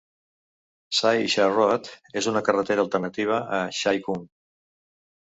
Sai Sha Road és una carretera alternativa a Sai Kung.